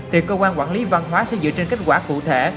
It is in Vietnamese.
thì cơ quan quản lý văn hóa sẽ dựa trên kết quả cụ thể